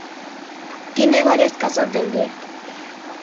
Tiene varias casas de aldea